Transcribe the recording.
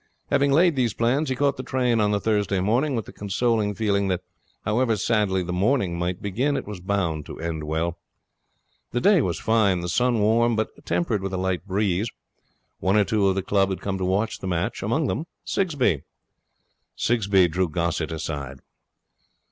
Having laid these plans, he caught the train on the Thursday morning with the consoling feeling that, however sadly the morning might begin, it was bound to end well. The day was fine, the sun warm, but tempered with a light breeze. One or two of the club had come to watch the match, among them Sigsbee. Sigsbee drew Gossett aside.